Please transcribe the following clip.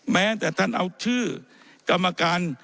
แม้แต่ท่านเอาชื่อกรรมการ